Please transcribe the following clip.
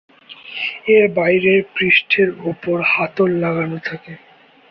এর বাইরের পৃষ্ঠের উপর হাতল লাগানো থাকে।